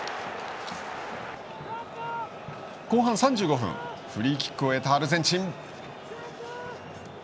後半３５分フリーキックを得たアルゼンチン。